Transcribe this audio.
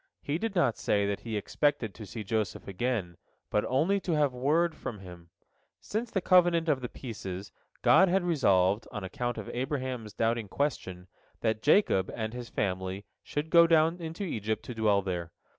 He did not say that he expected to see Joseph again, but only to have word from him. Since the covenant of the pieces, God had resolved, on account of Abraham's doubting question, that Jacob and his family should go down into Egypt to dwell there.